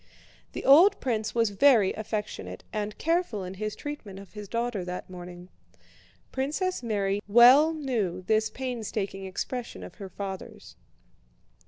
The old prince was very affectionate and careful in his treatment of his daughter that morning. Princess Mary well knew this painstaking expression of her father's.